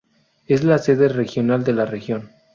Es la sede regional de la región.